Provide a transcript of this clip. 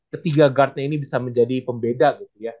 ketiga guardnya ini bisa menjadi pembeda gitu ya